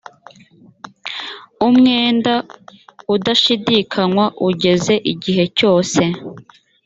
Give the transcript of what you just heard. umwenda udashidikanywa ugeze igihe cyose